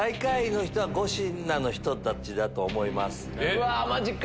うわマジか！